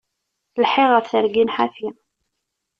Lḥiɣ ɣef tirgin ḥafi.